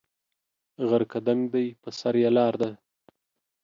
غر که دنګ دی په سر یې لار ده